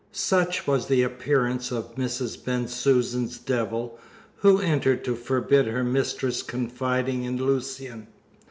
Such was the appearance of Mrs. Bensusan's devil, who entered to forbid her mistress confiding in Lucian.